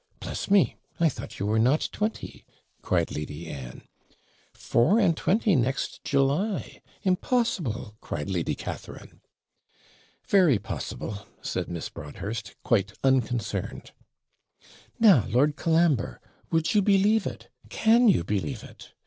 Bless me! I thought you were not twenty!' cried Lady Anne. 'Four and twenty next July! impossible!' cried Lady Catharine. 'Very possible,' said Miss Broadhurst, quite unconcerned. 'Now, Lord Colambre, would you believe it? Can you believe it?'